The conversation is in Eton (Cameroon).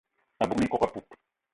A bug minkok apoup